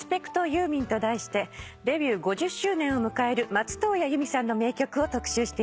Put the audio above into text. ユーミンと題してデビュー５０周年を迎える松任谷由実さんの名曲を特集しています。